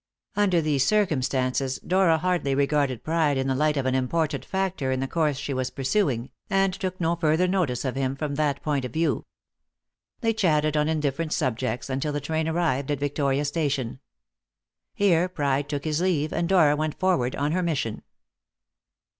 Under these circumstances Dora hardly regarded Pride in the light of an important factor in the course she was pursuing, and took no further notice of him from that point of view. They chatted on indifferent subjects until the train arrived at Victoria Station. Here Pride took his leave, and Dora went forward on her mission.